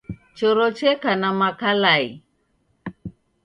Choro cheka na makalai